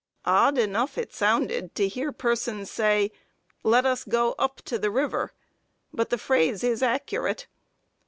Odd enough it sounded to hear persons say, "Let us go up to the river;" but the phrase is accurate.